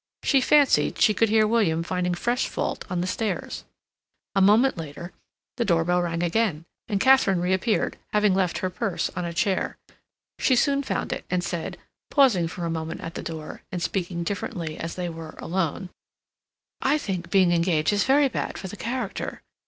She fancied she could hear William finding fresh fault on the stairs. A moment later, the door bell rang again, and Katharine reappeared, having left her purse on a chair. She soon found it, and said, pausing for a moment at the door, and speaking differently as they were alone: "I think being engaged is very bad for the character."